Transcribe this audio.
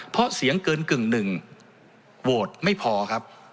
เพราะเสียงเกินกึ่งหนึ่งโหวตไม่พอครับ